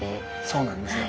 そうなんですよ。